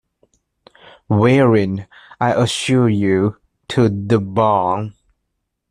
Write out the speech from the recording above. Wearing, I assure you, to the bone!